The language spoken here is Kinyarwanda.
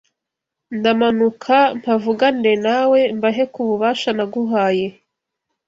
Ndamanuka mpavuganire nawe mbahe ku bubasha naguhaye